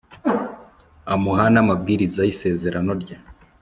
amuha n'amabwiriza y'isezerano rye